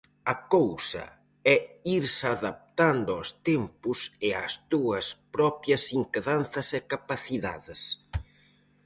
A cousa é irse adaptando aos tempos e ás túas propias inquedanzas e capacidades.